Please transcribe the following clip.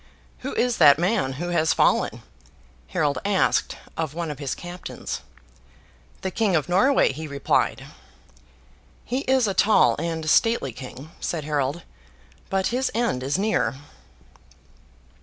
'Who is that man who has fallen?' Harold asked of one of his captains. 'The King of Norway,' he replied. 'He is a tall and stately king,' said Harold, 'but his end is near.